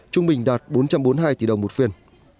trung bình đạt bốn trăm bốn mươi hai tỷ đồng một phiên